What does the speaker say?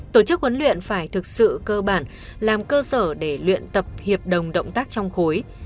tổ chức huấn luyện phải thực sự cơ bản làm cơ sở để luyện tập hiệp đồng động tác trong khối